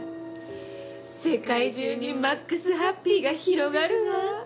世界中にマックスハッピーが広がるわ。